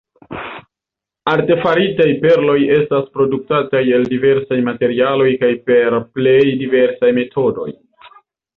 Artefaritaj perloj estas produktataj el diversaj materialoj kaj per plej diversaj metodoj.